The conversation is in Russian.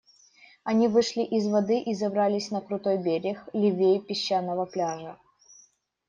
Они вышли из воды и забрались на крутой берег, левей песчаного пляжа.